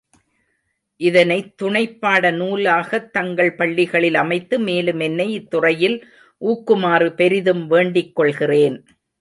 இதனைத் துணைப்பாட நூலாகத் தங்கள் பள்ளிகளில் அமைத்து மேலும் என்னை இத்துறையில் ஊக்குமாறு பெரிதும் வேண்டிக் கொள்கிறேன்.